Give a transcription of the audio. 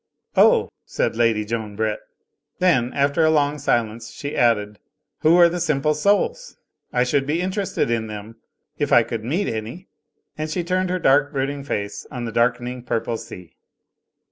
"Oh!" said Lady Joan Brett. Then after a long silence, she added: "Who are the Simple Souls? I should be interested in them, if I could meet any." And she turned her dark, brooding face on the darkening purple sea.